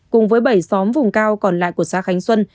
cùng với bảy xóm vùng cao còn lại của xã khánh xuân